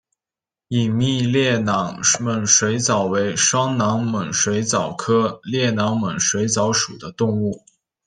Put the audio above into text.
隐密裂囊猛水蚤为双囊猛水蚤科裂囊猛水蚤属的动物。